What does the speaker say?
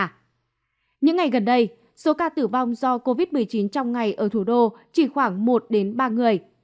những ngày gần đây số ca tử vong do covid một mươi chín trong ngày ở thủ đô chỉ khoảng một ba người